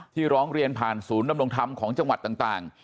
ร้องเรียนผ่านศูนย์ดำรงธรรมของจังหวัดต่าง